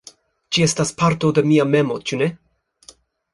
Ĝi estas parto de mia memo, ĉu ne?